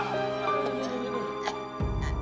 tidak punya effect